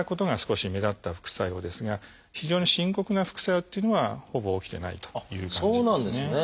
少し目立った副作用ですが非常に深刻な副作用っていうのはほぼ起きてないという感じですね。